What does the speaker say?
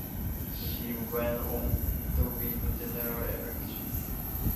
She went on to win the general election.